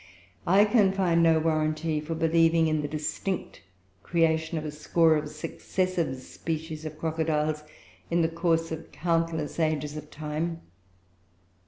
I can find no warranty for believing in the distinct creation of a score of successive species of crocodiles in the course of countless ages of time.